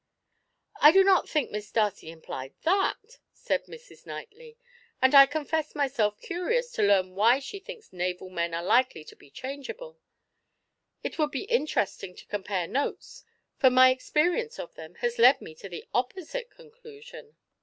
"I do not think Miss Darcy implied that," said Mrs. Knightley, "and I confess myself curious to learn why she thinks naval men are likely to be changeable; it would be interesting to compare notes, for my experience of them has led me to the opposite conclusion."